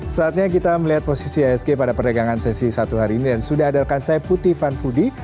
saatnya kita melihat posisi ihsg pada perdagangan sesi satu hari ini dan sudah hadirkan saya putih van pudi